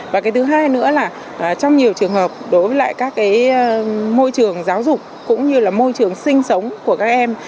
và thứ hai nữa là trong nhiều trường hợp đối với các môi trường giáo dục cũng như môi trường sinh sống của các em